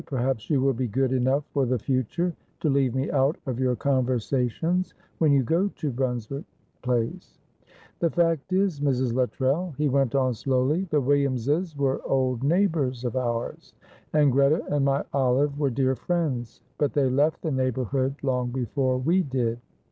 "Perhaps you will be good enough for the future to leave me out of your conversations when you go to Brunswick Place. "The fact is, Mrs. Luttrell," he went on, slowly, "the Williamses were old neighbours of ours. And Greta and my Olive were dear friends, but they left the neighbourhood long before we did.